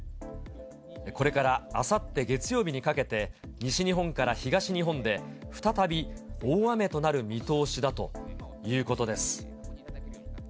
これからあさって月曜日にかけて、西日本から東日本で再び大雨となる見通しだということです。